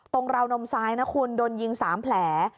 ราวนมซ้ายนะคุณโดนยิง๓แผล